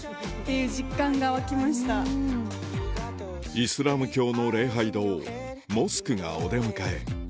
イスラム教の礼拝堂モスクがお出迎え